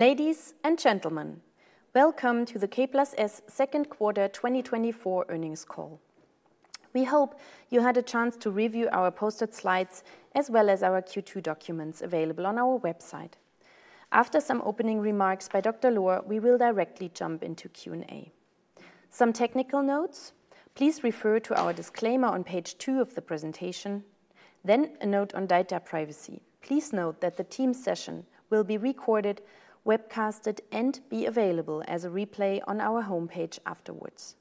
Ladies and gentlemen, welcome to the K+S second quarter 2024 earnings call. We hope you had a chance to review our posted slides, as well as our Q2 documents available on our website. After some opening remarks by Dr. Lohr, we will directly jump into Q&A. Some technical notes: Please refer to our disclaimer on page two of the presentation, then a note on data privacy. Please note that the team session will be recorded, webcasted, and be available as a replay on our homepage afterwards.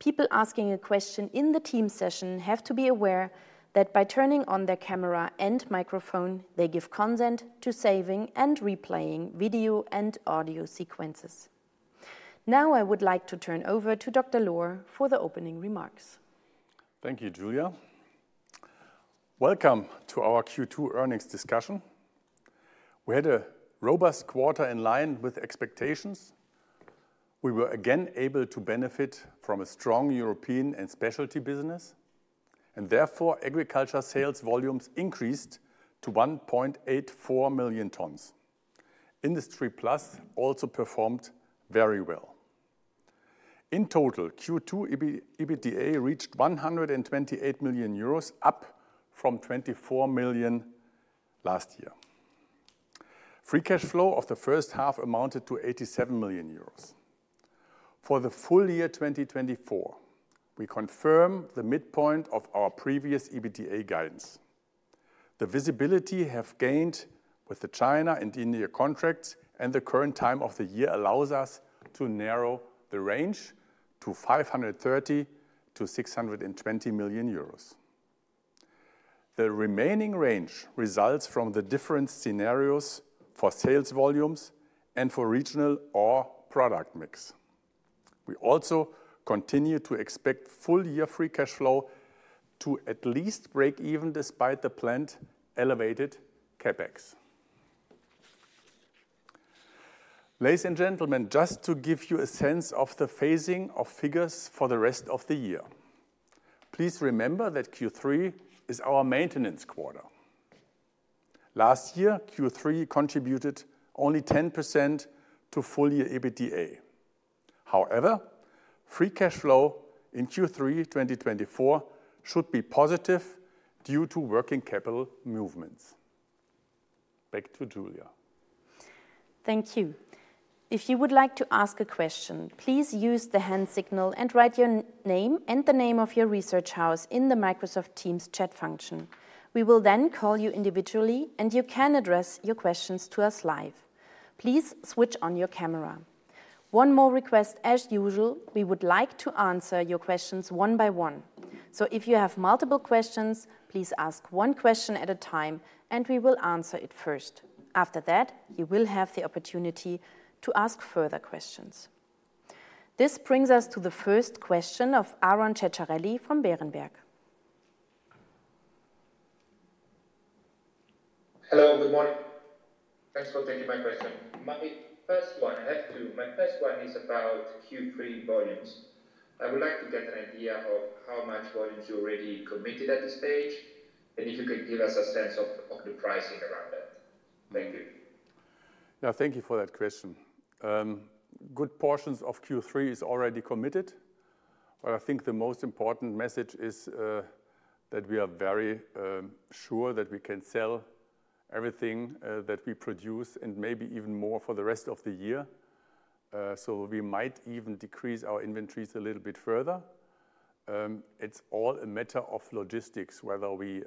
People asking a question in the team session have to be aware that by turning on their camera and microphone, they give consent to saving and replaying video and audio sequences. Now, I would like to turn over to Dr. Lohr for the opening remarks. Thank you, Julia. Welcome to our Q2 earnings discussion. We had a robust quarter in line with expectations. We were again able to benefit from a strong European and specialty business, and therefore, agriculture sales volumes increased to 1.84 million tons. Industry+ also performed very well. In total, Q2 EBITDA reached 128 million euros, up from 24 million last year. Free cash flow of the first half amounted to 87 million euros. For the full year 2024, we confirm the midpoint of our previous EBITDA guidance. The visibility have gained with the China and India contracts, and the current time of the year allows us to narrow the range to 530 million-620 million euros. The remaining range results from the different scenarios for sales volumes and for regional or product mix. We also continue to expect full year free cash flow to at least break even, despite the planned elevated CapEx. Ladies and gentlemen, just to give you a sense of the phasing of figures for the rest of the year, please remember that Q3 is our maintenance quarter. Last year, Q3 contributed only 10% to full year EBITDA. However, free cash flow in Q3 2024 should be positive due to working capital movements. Back to Julia. Thank you. If you would like to ask a question, please use the hand signal and write your name and the name of your research house in the Microsoft Teams chat function. We will then call you individually, and you can address your questions to us live. Please switch on your camera. One more request, as usual, we would like to answer your questions one by one, so if you have multiple questions, please ask one question at a time, and we will answer it first. After that, you will have the opportunity to ask further questions. This brings us to the first question of Aron Ceccarelli from Berenberg. Hello, good morning. Thanks for taking my question. My first one, I have two. My first one is about Q3 volumes. I would like to get an idea of how much volumes you already committed at this stage, and if you could give us a sense of, of the pricing around that. Thank you. Yeah, thank you for that question. Good portions of Q3 is already committed. But I think the most important message is that we are very sure that we can sell everything that we produce and maybe even more for the rest of the year. So we might even decrease our inventories a little bit further. It's all a matter of logistics, whether we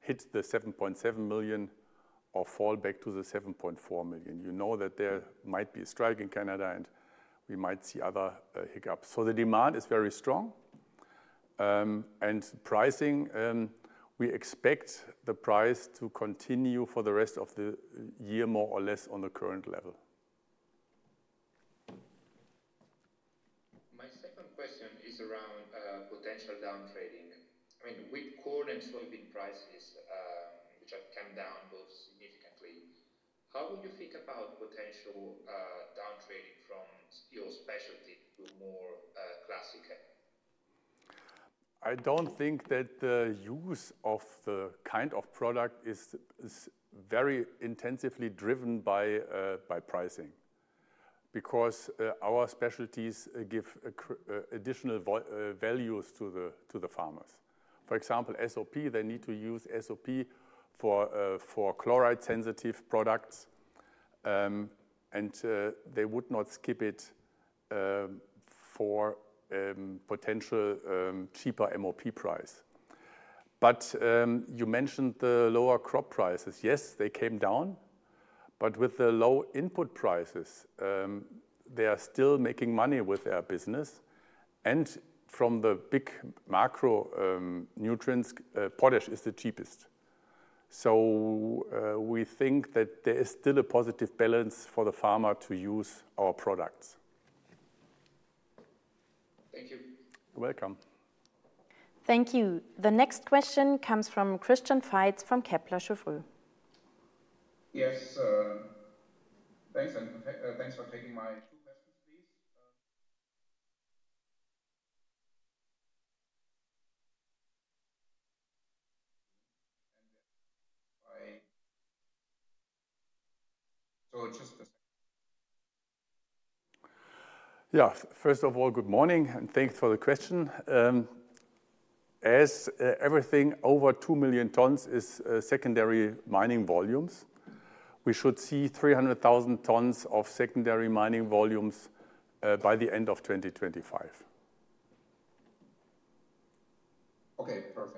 hit the 7.7 million or fall back to the 7.4 million. You know that there might be a strike in Canada, and we might see other hiccups. So the demand is very strong, and pricing, we expect the price to continue for the rest of the year, more or less on the current level. My second question is around potential downtrading. I mean, with corn and soybean prices, which have come down both significantly, how would you think about potential downtrading from your specialty to more classical? I don't think that the use of the kind of product is very intensively driven by pricing, because our specialties give additional values to the farmers. For example, SOP, they need to use SOP for chloride-sensitive products, and they would not skip it for potential cheaper MOP price. But you mentioned the lower crop prices. Yes, they came down, but with the low input prices, they are still making money with their business, and from the big macro nutrients, potash is the cheapest. So we think that there is still a positive balance for the farmer to use our products. Thank you. You're welcome. Thank you. The next question comes from Christian Faitz from Kepler Cheuvreux. Yes, thanks, and thanks for taking my two questions.... Yeah, first of all, good morning, and thanks for the question. As everything over 2 million tons is secondary mining volumes, we should see 300,000 tons of secondary mining volumes by the end of 2025. Okay, perfect.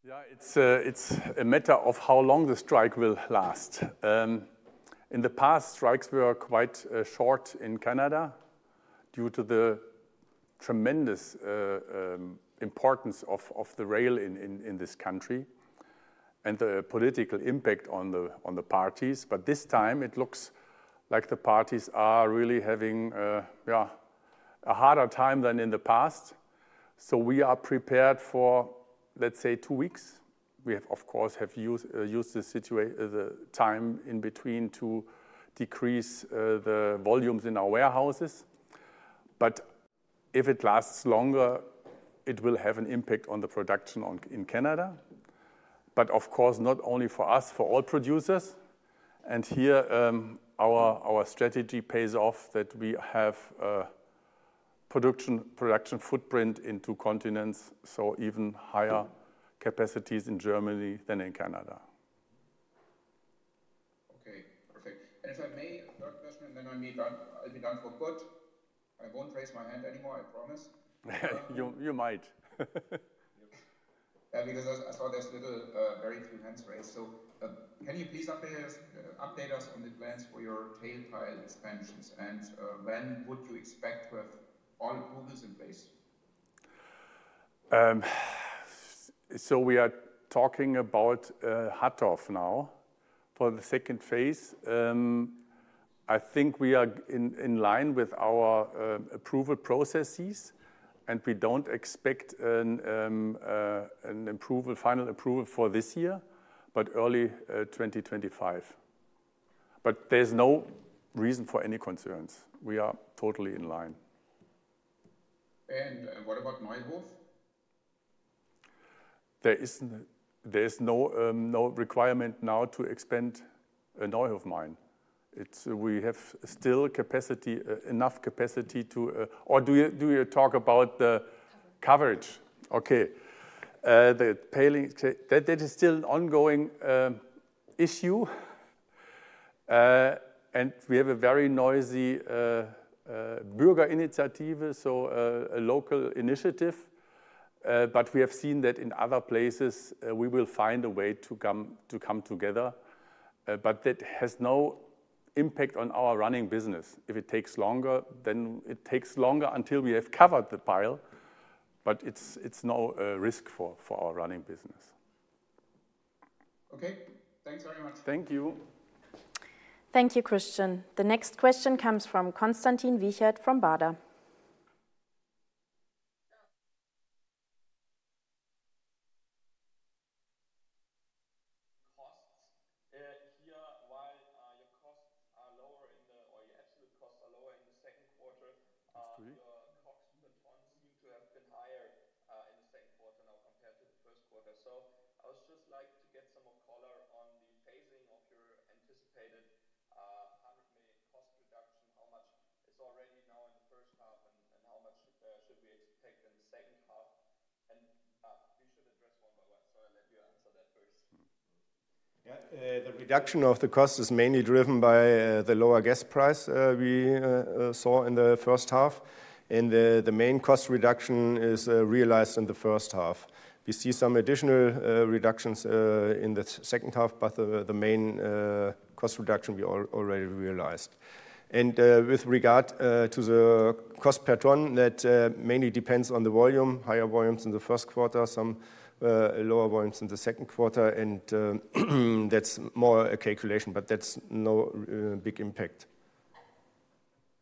Thank you. And then also, Dr. Lohr, you mentioned that the rail strike in Canada. Do you have any scenario on what that would mean for your volumes out of Vancouver towards Vancouver? Yeah, it's a matter of how long the strike will last. In the past, strikes were quite short in Canada due to the tremendous importance of the rail in this country and the political impact on the parties. But this time, it looks like the parties are really having a yeah, a harder time than in the past. So we are prepared for, let's say, two weeks. We have of course used the time in between to decrease the volumes in our warehouses. But if it lasts longer, it will have an impact on the production in Canada. But of course, not only for us, for all producers. Here, our strategy pays off that we have a production footprint in two continents, so even higher capacities in Germany than in Canada. Okay, perfect. And if I may, a third question, and then I'll be done, I'll be done for good. I won't raise my hand anymore, I promise. You, you might. Yeah, because I saw there's little, very few hands raised. So, can you please update us, update us on the plans for your tail pile expansions? And, when would you expect to have all approvals in place? So we are talking about Hattorf now for the second phase. I think we are in line with our approval processes, and we don't expect an approval, final approval for this year, but early 2025. But there's no reason for any concerns. We are totally in line. What about Neuhof-Ellers? There's no requirement now to expand a Neuhof-Ellers mine. It's, we have still capacity, enough capacity to... Or do you, do you talk about the- Coverage. Coverage? Okay. The paling that is still ongoing issue. And we have a very noisy Bürgerinitiative, so a local initiative. But we have seen that in other places, we will find a way to come together. But that has no impact on our running business. If it takes longer, then it takes longer until we have covered the pile, but it's no risk for our running business. Okay, thanks very much. Thank you. the reduction of the cost is mainly driven by the lower gas price we saw in the first half. The main cost reduction is realized in the first half. We see some additional reductions in the second half, but the main cost reduction we already realized. With regard to the cost per ton, that mainly depends on the volume. Higher volumes in the first quarter, some lower volumes in the second quarter, and that's more a calculation, but that's no big impact.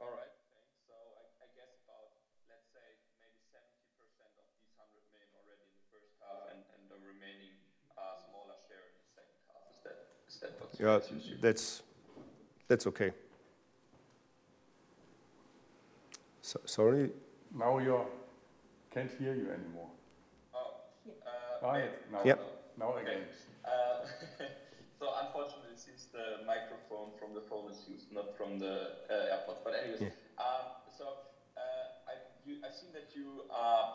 All right, thanks. So I guess about, let's say, maybe 70% of these EUR 100 million already in the first half, and the remaining smaller share in the second half. Is that what you- Yeah, that's okay. Sorry? Now, we can't hear you anymore. Oh, uh- All right, now. Yep. Now again. So unfortunately, since the microphone from the phone is used, not from the AirPods. Yeah. But anyways, so, I've seen that you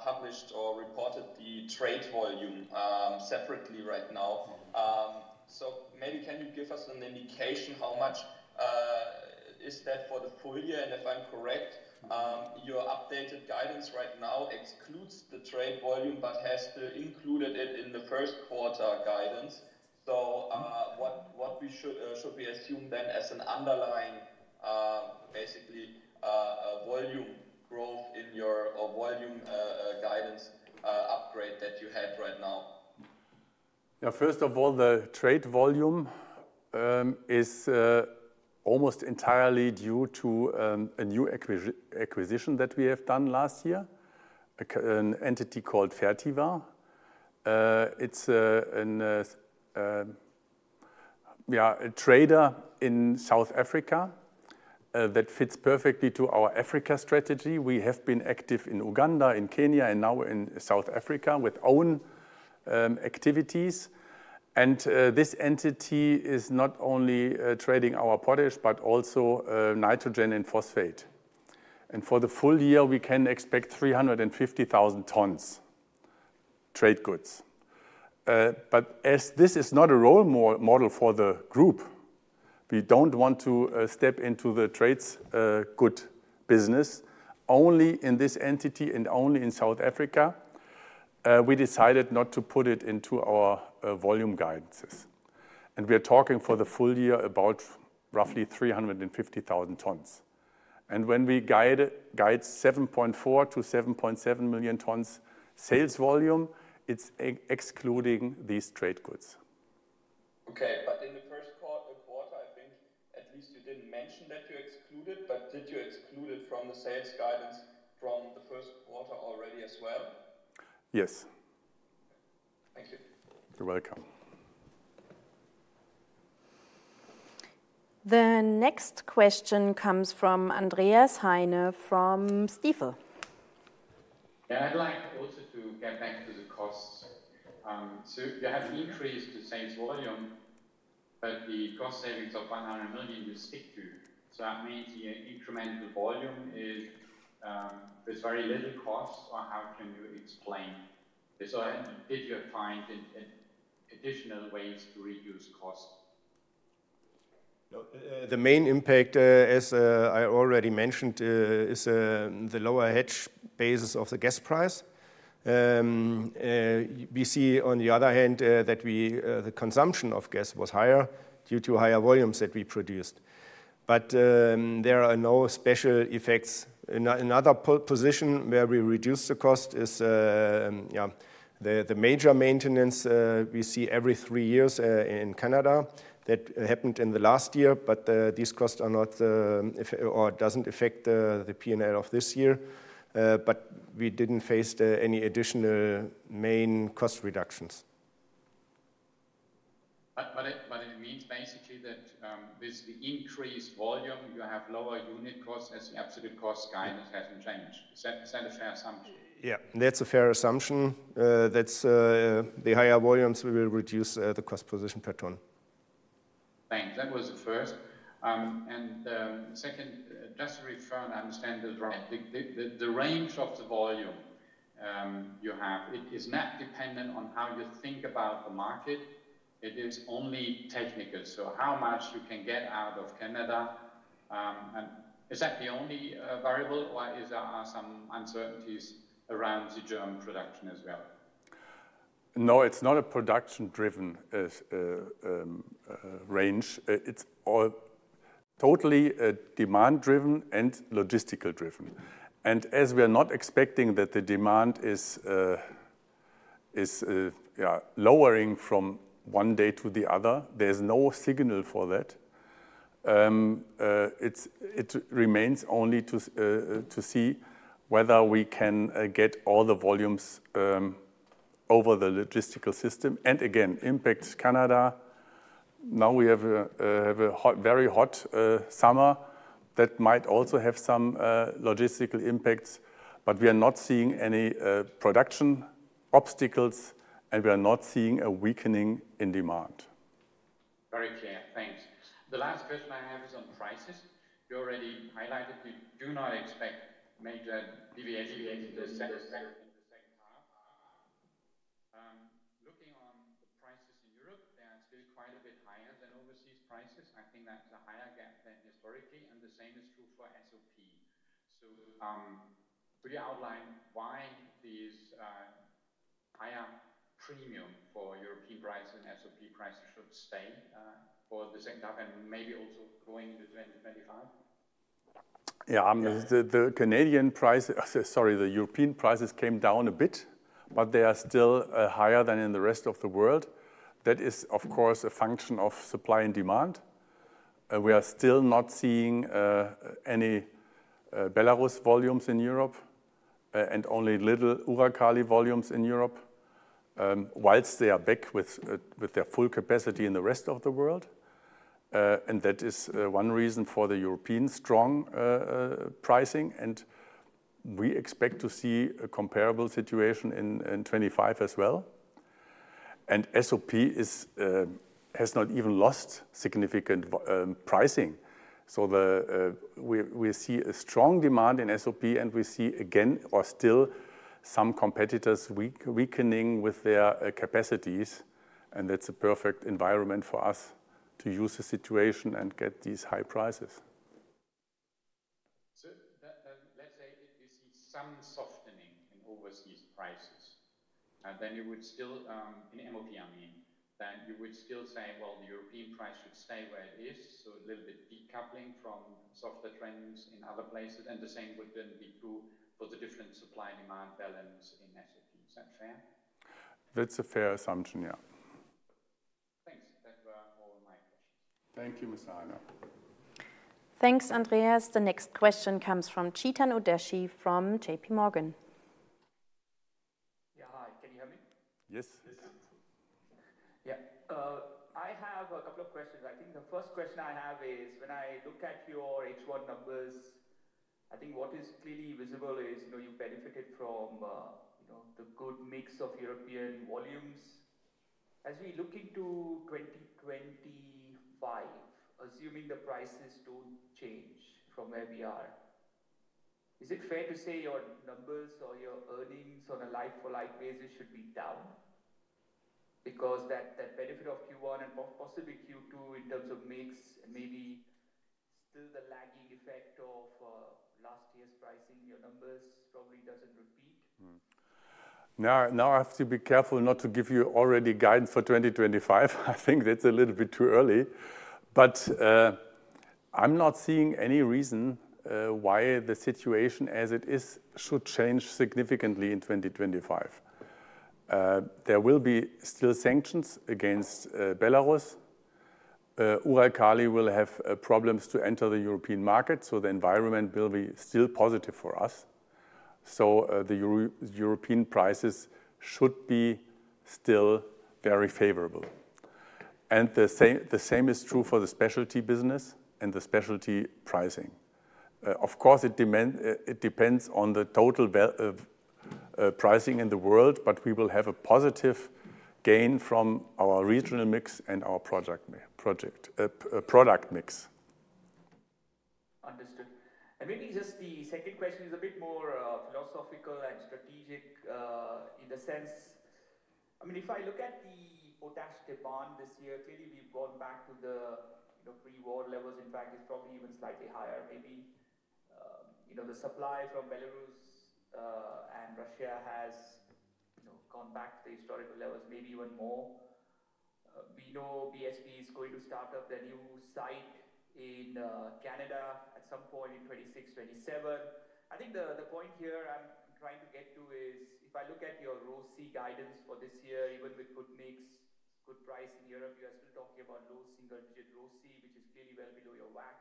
published or reported the trade volume separately right now. So maybe can you give us an indication how much is that for the full year? And if I'm correct, your updated guidance right now excludes the trade volume, but has to include it in the first quarter guidance. So, what we should, should we assume then as an underlying, basically, a volume growth in your... or volume, guidance, upgrade that you have right now? Yeah, first of all, the trade volume is almost entirely due to a new acquisition that we have done last year, an entity called Fertiva. It's a trader in South Africa that fits perfectly to our Africa strategy. We have been active in Uganda, in Kenya, and now in South Africa with own activities. And this entity is not only trading our potash, but also nitrogen and phosphate. And for the full year, we can expect 350,000 tons trade goods. But as this is not a role model for the group, we don't want to step into the trade goods business. Only in this entity and only in South Africa, we decided not to put it into our volume guidances. We are talking for the full year about roughly 350,000 tons. When we guide 7.4-7.7 million tons sales volume, it's excluding these trade goods. Okay, but in the first quarter, I think at least you didn't mention that you exclude it, but did you exclude it from the sales guidance from the first quarter already as well? Yes. Thank you. You're welcome. The next question comes from Andreas Heine, from Stifel. Yeah, I'd like also to get back to the costs. So you have increased the sales volume, but the cost savings of 100 million you stick to. So that means the incremental volume is, there's very little cost, or how can you explain? So, did you find add- additional ways to reduce cost? No, the main impact, as I already mentioned, is the lower hedge basis of the gas price. We see on the other hand, that the consumption of gas was higher due to higher volumes that we produced. But, there are no special effects. Another position where we reduced the cost is, yeah, the major maintenance we see every three years in Canada. That happened in the last year, but, these costs are not, if... Or it doesn't affect the P&L of this year, but we didn't face any additional main cost reductions. But it means basically that with the increased volume, you have lower unit costs as the absolute cost guidance hasn't changed. Is that a fair assumption? Yeah, that's a fair assumption. That's the higher volumes we will reduce the cost position per ton. Thanks. That was the first. And second, just to refer and understand this right, the range of the volume you have, it is not dependent on how you think about the market, it is only technical. So how much you can get out of Canada, and is that the only variable, or is there are some uncertainties around the German production as well? No, it's not a production-driven range. It's all totally demand-driven and logistical-driven. As we are not expecting that the demand is lowering from one day to the other, there's no signal for that. It remains only to see whether we can get all the volumes over the logistical system, and again, impacts Canada. Now we have a hot, very hot summer that might also have some logistical impacts, but we are not seeing any production obstacles, and we are not seeing a weakening in demand. Very clear. Thanks. The last question I have is on prices. You already highlighted you do not expect major deviations in the second half, looking on the prices in Europe, they are still quite a bit higher than overseas prices. I think that's a higher gap than historically, and the same is true for SOP. So, could you outline why these, higher premium for European prices and SOP prices should stay, for the second half and maybe also going into 2025? Yeah, um- Yeah.... the Canadian price, sorry, the European prices came down a bit, but they are still higher than in the rest of the world. That is, of course, a function of supply and demand. We are still not seeing any Belarus volumes in Europe, and only little Uralkali volumes in Europe, whilst they are back with their full capacity in the rest of the world. And that is one reason for the European strong pricing, and we expect to see a comparable situation in 25 as well. And SOP has not even lost significant pricing. So we see a strong demand in SOP, and we see again, or still, some competitors weakening with their capacities, and that's a perfect environment for us to use the situation and get these high prices. So, let's say if you see some softening in overseas prices, then you would still, in MOP, I mean, then you would still say, well, the European price should stay where it is, so a little bit decoupling from softer trends in other places, and the same would then be true for the different supply-demand balance in SOP. Is that fair? That's a fair assumption, yeah.... Thank you, Miss Anna. Thanks, Andreas. The next question comes from Chetan Udeshi from JPMorgan. Yeah, hi. Can you hear me? Yes. Yes. Yeah, I have a couple of questions. I think the first question I have is, when I look at your H1 numbers, I think what is clearly visible is, you know, you benefited from you know, the good mix of European volumes. As we look into 2025, assuming the prices don't change from where we are, is it fair to say your numbers or your earnings on a like-for-like basis should be down? Because that, that benefit of Q1 and possibly Q2 in terms of mix, maybe still the lagging effect of last year's pricing, your numbers probably doesn't repeat. Now, I have to be careful not to give you already guidance for 2025. I think that's a little bit too early. But, I'm not seeing any reason, why the situation as it is should change significantly in 2025. There will be still sanctions against Belarus. Uralkali will have problems to enter the European market, so the environment will be still positive for us. So, the European prices should be still very favorable. And the same, the same is true for the specialty business and the specialty pricing. Of course, it depends on the total pricing in the world, but we will have a positive gain from our regional mix and our product mix. Understood. And maybe just the second question is a bit more, philosophical and strategic, in the sense... I mean, if I look at the potash demand this year, clearly we've gone back to the, you know, pre-war levels. In fact, it's probably even slightly higher. Maybe, you know, the supply from Belarus, and Russia has, you know, gone back to the historical levels, maybe even more. We know BHP is going to start up their new site in, Canada at some point in 2026, 2027. I think the, the point here I'm trying to get to is, if I look at your ROCE guidance for this year, even with good mix, good price in Europe, you are still talking about low single-digit ROCE, which is clearly well below your WACC.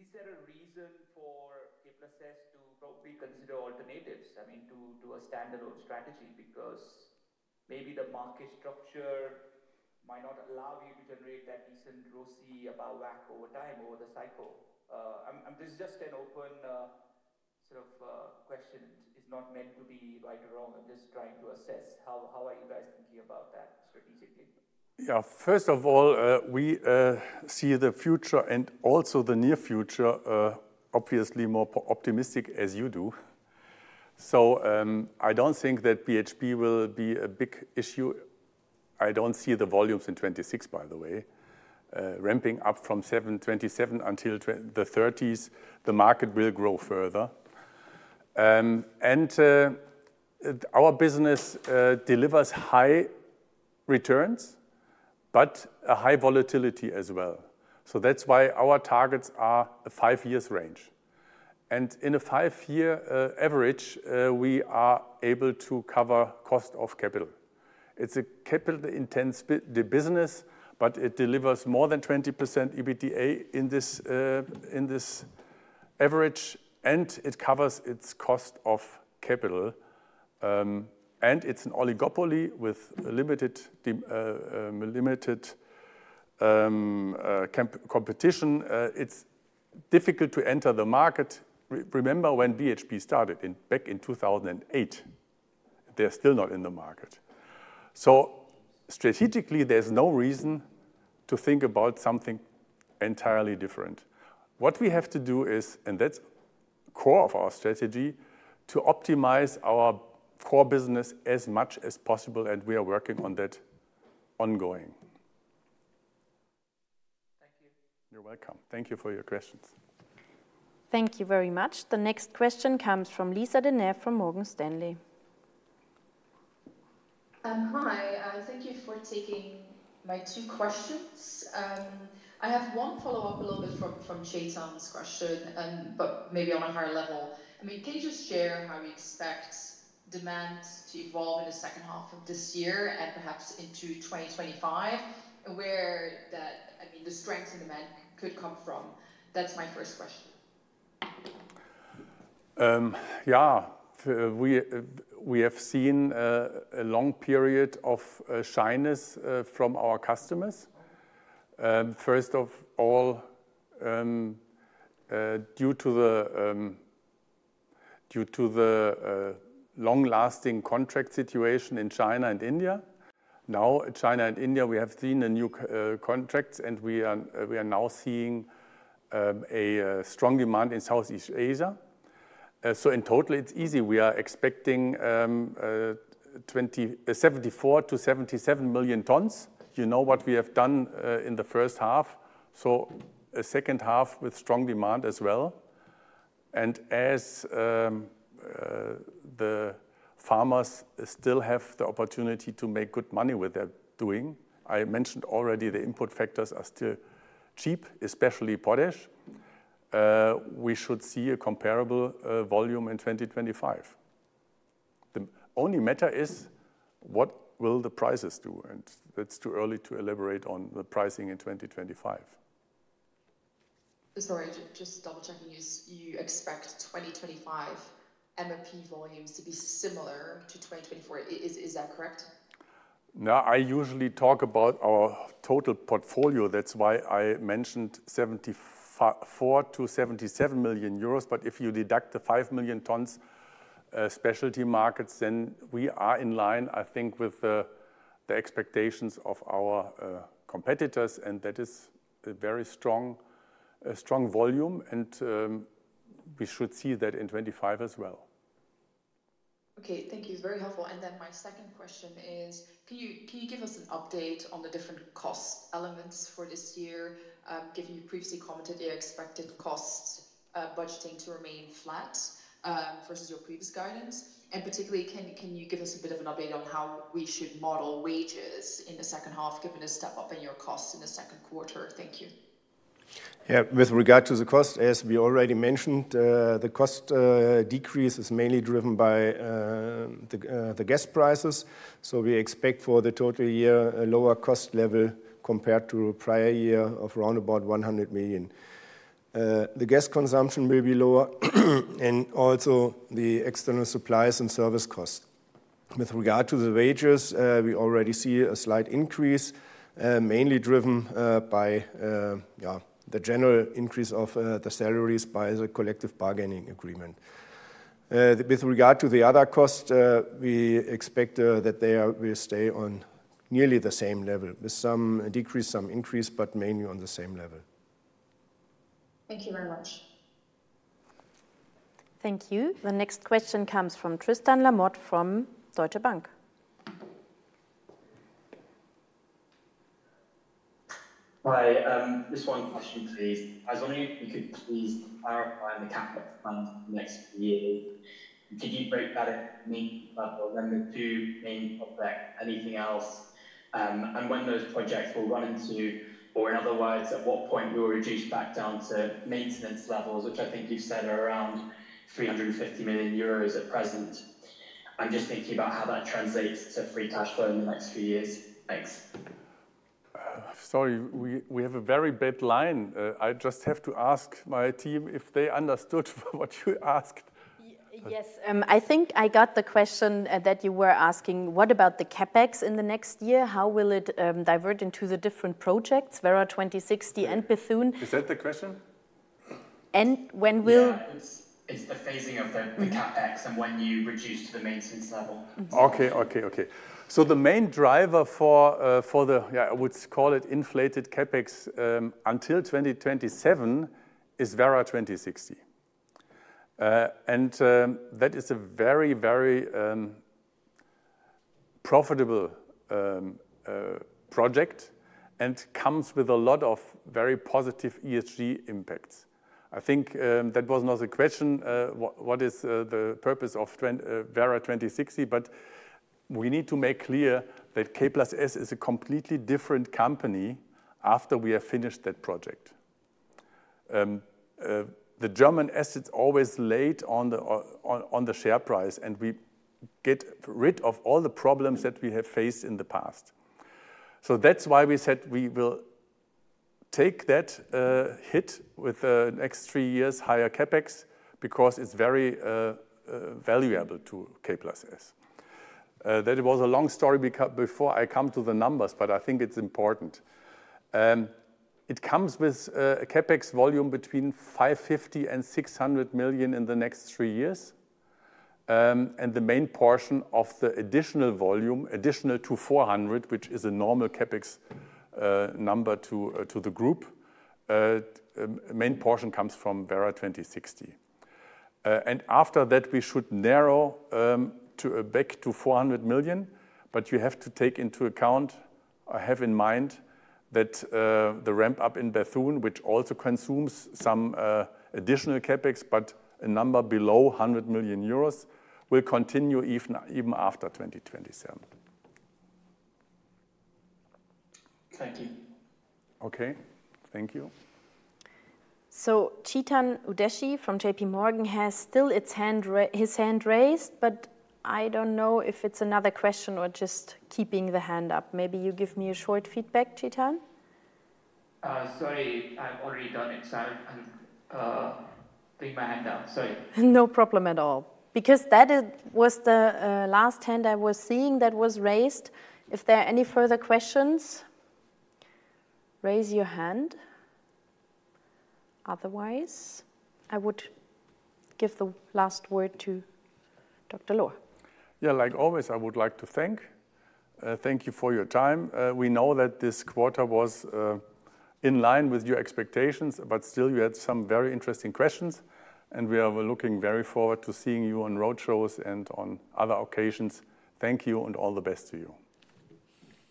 Is there a reason for K+S to probably consider alternatives, I mean, to a standalone strategy? Because maybe the market structure might not allow you to generate that decent ROCE above WACC over time, over the cycle. This is just an open sort of question. It's not meant to be right or wrong. I'm just trying to assess how you guys are thinking about that strategically? Yeah, first of all, we see the future and also the near future, obviously more optimistic as you do. So, I don't think that BHP will be a big issue. I don't see the volumes in 2026, by the way. Ramping up from 2027 until the thirties, the market will grow further. And, our business delivers high returns, but a high volatility as well. So that's why our targets are a five-year range. And in a five-year average, we are able to cover cost of capital. It's a capital-intensive business, but it delivers more than 20% EBITDA in this average, and it covers its cost of capital. And it's an oligopoly with limited competition. It's difficult to enter the market. Remember when BHP started in, back in 2008, they're still not in the market. So strategically, there's no reason to think about something entirely different. What we have to do is, and that's core of our strategy, to optimize our core business as much as possible, and we are working on that ongoing. Thank you. You're welcome. Thank you for your questions. Thank you very much. The next question comes from Lisa De Neve from Morgan Stanley. Hi, thank you for taking my two questions. I have one follow-up, a little bit from Chetan's question, but maybe on a higher level. I mean, can you just share how you expect demand to evolve in the second half of this year and perhaps into 2025? And where that, I mean, the strength in demand could come from? That's my first question. Yeah. We have seen a long period of shyness from our customers. First of all, due to the long-lasting contract situation in China and India. Now, China and India, we have seen the new contracts, and we are now seeing a strong demand in Southeast Asia. So in total, it's easy. We are expecting 74-77 million tons. You know what we have done in the first half, so a second half with strong demand as well. And as the farmers still have the opportunity to make good money with their doing, I mentioned already the input factors are still cheap, especially potash. We should see a comparable volume in 2025. The only matter is, what will the prices do? That's too early to elaborate on the pricing in 2025. Sorry, just double-checking. You expect 2025 MOP volumes to be similar to 2024. Is that correct? No, I usually talk about our total portfolio. That's why I mentioned 74 million-77 million euros. But if you deduct the 5 million tons, specialty markets, then we are in line, I think, with the expectations of our competitors, and that is a very strong, strong volume, and we should see that in 2025 as well. Okay, thank you. It's very helpful. And then my second question is: can you give us an update on the different cost elements for this year, given you previously commented you expected costs budgeting to remain flat versus your previous guidance? And particularly, can you give us a bit of an update on how we should model wages in the second half, given a step up in your costs in the second quarter? Thank you. Yeah. With regard to the cost, as we already mentioned, the cost decrease is mainly driven by the gas prices. So we expect for the total year, a lower cost level compared to prior year of round about 100 million. The gas consumption will be lower, and also the external supplies and service costs. With regard to the wages, we already see a slight increase, mainly driven by yeah, the general increase of the salaries by the collective bargaining agreement. With regard to the other costs, we expect that they will stay on nearly the same level, with some decrease, some increase, but mainly on the same level. Thank you very much. Thank you. The next question comes from Tristan Lamotte from Deutsche Bank. Hi. Just one question, please. I was wondering if you could please clarify the CapEx plan for the next few years. Could you break that at main level, then the two main project, anything else, and when those projects will run into, or in other words, at what point we will reduce back down to maintenance levels, which I think you said are around 350 million euros at present. I'm just thinking about how that translates to free cash flow in the next few years. Thanks. Sorry, we have a very bad line. I just have to ask my team if they understood what you asked. Yes, I think I got the question that you were asking. What about the CapEx in the next year? How will it divert into the different projects, Werra 2060 and Bethune? Is that the question? When will- Yeah, it's the phasing of the CapEx and when you reduce to the maintenance level. Mm-hmm. Okay, okay, okay. So the main driver for, for the, yeah, I would call it inflated CapEx until 2027 is Werra 2060. And that is a very, very profitable project, and comes with a lot of very positive ESG impacts. I think that was not the question, what, what is the purpose of Werra 2060? But we need to make clear that K+S is a completely different company after we have finished that project. The German assets always laid on the share price, and we get rid of all the problems that we have faced in the past. So that's why we said we will take that hit with the next three years higher CapEx, because it's very valuable to K+S. That was a long story before I come to the numbers, but I think it's important. It comes with a CapEx volume between 550 million and 600 million in the next 3 years. And the main portion of the additional volume, additional to 400 million, which is a normal CapEx number to the group, main portion comes from Werra 2060. And after that, we should narrow to back to 400 million, but you have to take into account or have in mind that the ramp up in Bethune, which also consumes some additional CapEx, but a number below 100 million euros, will continue even, even after 2027. Thank you. Okay, thank you. So, Chetan Udeshi from JP Morgan has still its hand, his hand raised, but I don't know if it's another question or just keeping the hand up. Maybe you give me a short feedback, Chetan? Sorry, I've already done it, so I'm putting my hand down. Sorry. No problem at all. Because that was the last hand I was seeing that was raised. If there are any further questions, raise your hand. Otherwise, I would give the last word to Dr. Lohr. Yeah, like always, I would like to thank, thank you for your time. We know that this quarter was, in line with your expectations, but still you had some very interesting questions, and we are looking very forward to seeing you on road shows and on other occasions. Thank you, and all the best to you.